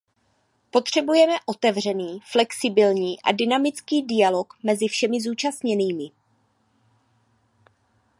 Potřebujeme otevřený, flexibilní a dynamický dialog mezi všemi zúčastněnými.